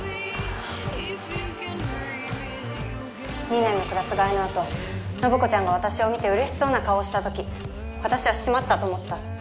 二年のクラス替えのあと信子ちゃんが私を見て嬉しそうな顔をしたとき私はしまったと思った。